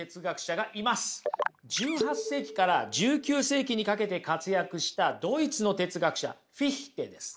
１８世紀から１９世紀にかけて活躍したドイツの哲学者フィヒテです。